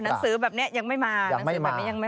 อ้าวหนังสือแบบนี้ยังไม่มา